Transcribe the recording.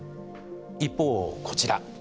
一方、こちら。